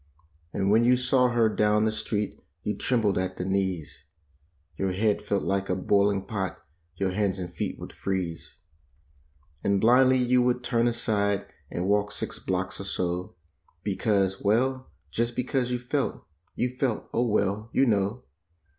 And when you saw her down the street you trembled at the knees; Your head felt like a boiling pot; your hands and feet would freeze. And blindly you would turn aside and walk six blocks or so. Because—well, just because you felt— you felt—oh, well, YOU KNOW.